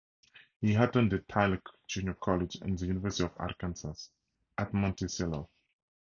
He attended Tyler Junior College and the University of Arkansas at Monticello.